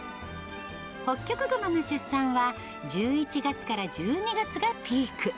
ホッキョクグマの出産は、１１月から１２月がピーク。